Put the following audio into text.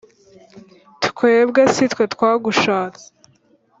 twebwe si twe twagushatse